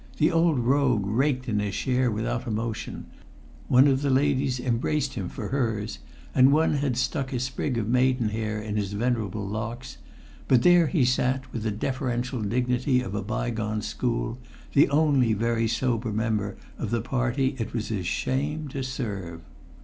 The old rogue raked in his share without emotion; one of the ladies embraced him for hers; and one had stuck a sprig of maidenhair in his venerable locks; but there he sat, with the deferential dignity of a bygone school, the only very sober member of the party it was his shame to serve.